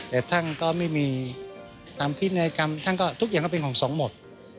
แต่ท่านก็ไม่มีทำพิษในกรรมทุกอย่างก็เป็นของสองหมด